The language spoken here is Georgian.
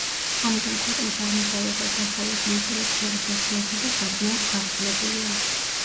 ამიტომ ქვეყნის აღმოსავლეთ და დასავლეთ ნაწილებს შორის ურთიერთობა საკმაოდ გართულებულია.